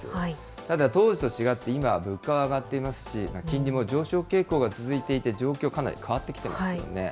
ただ、当時と違って今は物価が上がっていますし、金利も上昇傾向が続いていて、状況、かなり変わってきてますよね。